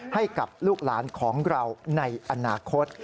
ให้กับลูกหลานของเราในอนาคต